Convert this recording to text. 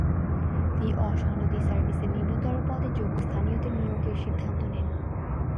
তিনি অ-সনদী সার্ভিসের নিম্নতর পদে যোগ্য স্থানীয়দের নিয়োগের সিদ্ধান্ত নেন।